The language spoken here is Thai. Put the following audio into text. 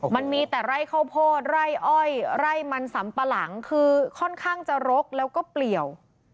มันมีแต่ไร่ข้าวโพดไร่อ้อยไร่มันสำปะหลังคือค่อนข้างจะรกแล้วก็เปลี่ยว